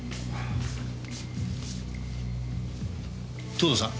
藤堂さん。